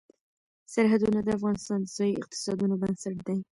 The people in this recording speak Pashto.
سرحدونه د افغانستان د ځایي اقتصادونو بنسټ دی.